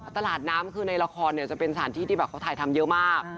ตลาดน้ำคือในละครจะเป็นสถานที่ที่แบบเขาถ่ายทำเยอะมาก